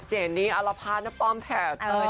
เจนีอลภานป้อมแผด